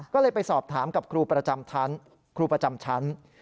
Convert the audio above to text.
ก็เลยไปสอบถามกับครูประจำชั้น